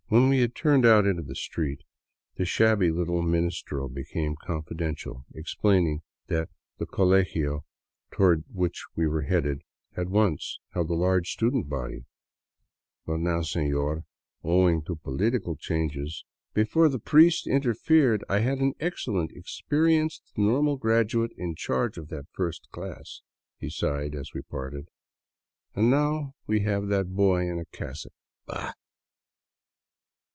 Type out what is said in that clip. When we had turned out into the street, the shabby little Ministro became confidential^ explaining that the colegio toward which we were headed had once held a large student body, " but now, senor, owing to political changes. ..."" Before the priests interfered I had an excellent experienced normal graduate in charge of that first class," he sighed as we parted, " and now we have that boy in a cassock. Bah